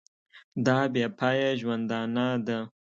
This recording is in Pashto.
دا بې پایه ژوندانه ده.